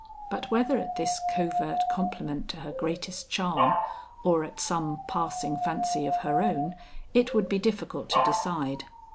But whether at this covert compliment to her greatest charm or at some passing fancy of her own, it would be difficult to decide.